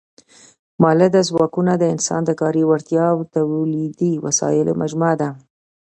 مؤلده ځواکونه د انسان د کاري وړتیا او تولیدي وسایلو مجموعه ده.